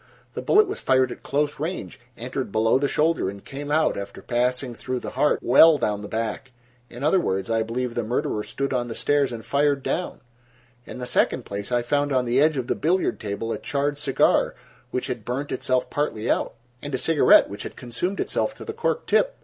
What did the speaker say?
The bullet was fired at close range, entered below the shoulder and came out, after passing through the heart, well down the back. In other words, I believe the murderer stood on the stairs and fired down. In the second place, I found on the edge of the billiard table a charred cigar which had burned itself partly out, and a cigarette which had consumed itself to the cork tip.